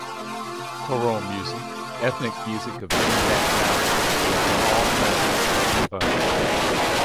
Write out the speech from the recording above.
Choral music, ethnic music of many nationalities, all are found in Alberta.